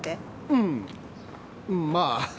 うんまあ。